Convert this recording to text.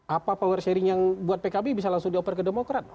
apa power sharing yang buat pkb bisa langsung dioper ke demokrat